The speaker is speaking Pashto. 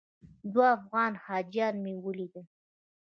دوه افغان حاجیان مې ولیدل.